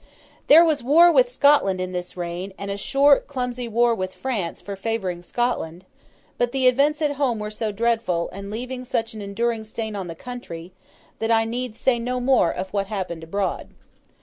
There was war with Scotland in this reign, and a short clumsy war with France for favouring Scotland; but, the events at home were so dreadful, and leave such an enduring stain on the country, that I need say no more of what happened abroad.